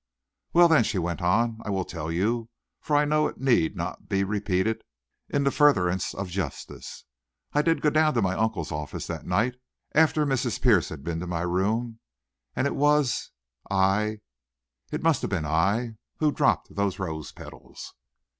"Well, then," she went on, "I will tell you, for I know it need not be repeated in the furtherance of justice. I did go down to my uncle's office that night, after Mrs. Pierce had been to my room; and it was I it must have been I who dropped those rose petals."